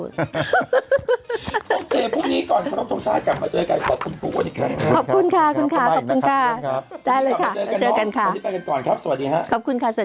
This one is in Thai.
พร้อมเจพรุ่งนี้ก่อนพระน้องทมชาติกลับมาเจอกันขอบคุณครับ